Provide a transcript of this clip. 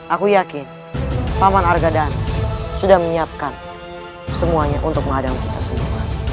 aku yakin paman argadana sudah menyiapkan semuanya untuk menghadang kita semua